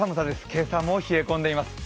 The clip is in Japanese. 今朝も冷え込んでいます。